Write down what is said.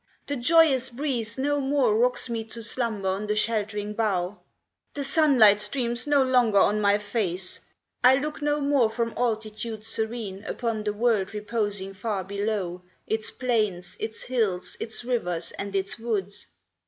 "The joyous breeze no more Rocks me to slumber on the sheltering bough; The sunlight streams no longer on my face; I look no more from altitudes serene Upon the world reposing far below Its plains, its hills, its rivers, and its woods.